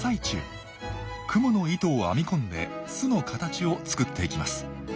クモの糸を編み込んで巣の形を作っていきます。